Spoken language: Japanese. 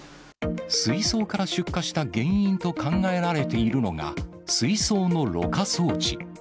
水槽から出火した原因と考えられているのが、水槽のろ過装置。